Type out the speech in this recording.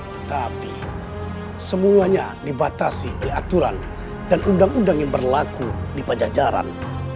tetapi semuanya dibatasi oleh aturan dan undang undang yang berlaku di pajajaran